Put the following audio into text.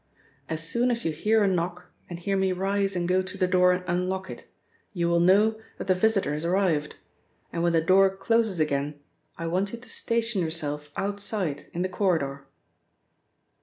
As soon as you hear a knock, and hear me rise and go to the door and unlock it, you will know that the visitor has arrived, and when the door closes again, I want you to station yourself outside in the corridor."